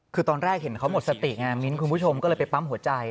คือตอนแรกเห็นเขาหมดสติไงมิ้นคุณผู้ชมก็เลยไปปั๊มหัวใจ